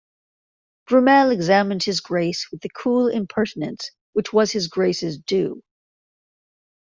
Brummell examined his Grace with the cool impertinence which was his Grace’s due.